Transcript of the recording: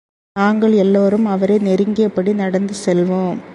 நாங்கள் எல்லோரும் அவரை நெருங்கியபடி நடந்து செல்வோம்.